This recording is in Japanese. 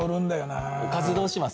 おかずどうします？